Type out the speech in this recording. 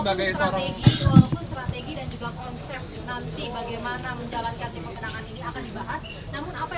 sebagai konsep nanti bagaimana menjalankan